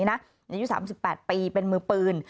อายุ๓๘ปีเป็นมือปืน